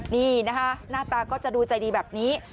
นี่นะคะหน้าตาก็จะดูใจดีแบบนี้